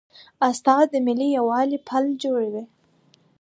استاد د ملي یووالي پل جوړوي.